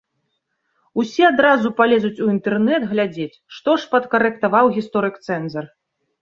Усе адразу палезуць у інтэрнэт глядзець, што ж падкарэктаваў гісторык-цэнзар.